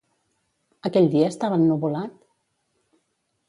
Aquell dia estava ennuvolat?